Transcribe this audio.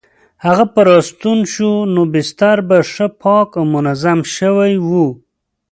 هغه به راستون شو نو بستر به ښه پاک او منظم شوی وو.